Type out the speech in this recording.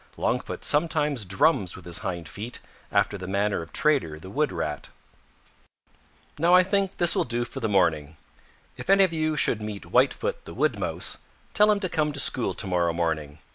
Longfoot sometimes drums with his hind feet after the manner of Trader the Wood Rat. "Now I think this will do for this morning. If any of you should meet Whitefoot the Wood Mouse, tell him to come to school to morrow morning.